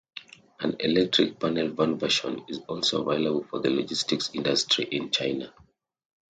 An electric panel van version is also available for the logistics industry in China.